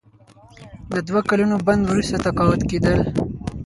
د دوه کلونو بند وروسته تقاعد کیدل.